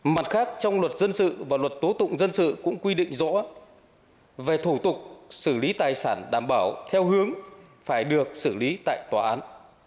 mặt khác trong luật dân sự và luật tố tụng dân sự cũng quy định rõ về thủ tục xử lý tài sản đảm bảo theo hướng phải được xử lý tại tòa án